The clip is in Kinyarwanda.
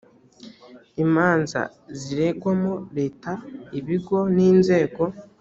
imanza ziregwamo leta ibigo n inzego